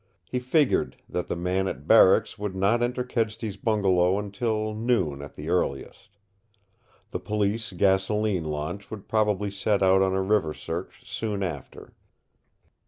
He figured that the men at Barracks would not enter Kedsty's bungalow until noon at the earliest. The Police gasoline launch would probably set out on a river search soon after.